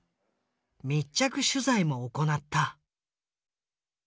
密着取材も行った。